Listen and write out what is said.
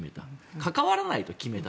関わらないと決めた。